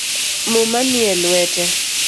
Muma nie lwete